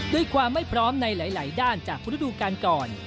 ด้วยความไม่พร้อมในหลายด้านจากฤดูการก่อน